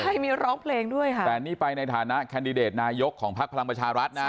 แต่นี้ไปในฐานะนายกของพระพลังประชารัฐนะ